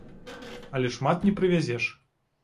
Але шмат не прывязеш.